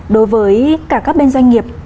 đối với cả các bên doanh nghiệp